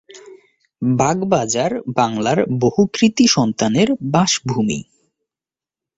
বাগবাজার বাংলার বহু কৃতি সন্তানের বাসভূমি।